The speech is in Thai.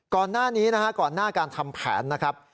ก่อนหน้านี้นะฮะก่อนหน้าการทำแผนนะครับ